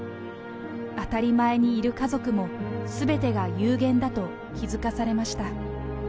当たり前にいる家族も、すべてが有限だと気付かされました。